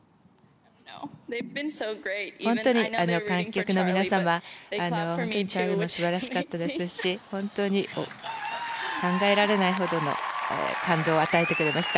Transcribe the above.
本当に観客の皆様素晴らしかったですし本当に考えられないほどの感動を与えてくれました。